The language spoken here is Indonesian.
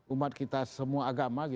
umat kita semua agama